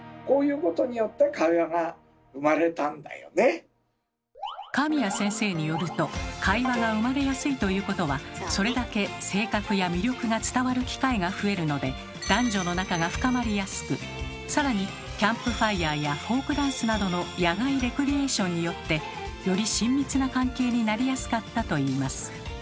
こういうことによって神谷先生によると会話が生まれやすいということはそれだけ性格や魅力が伝わる機会が増えるので男女の仲が深まりやすく更にキャンプファイアやフォークダンスなどの野外レクリエーションによってより親密な関係になりやすかったといいます。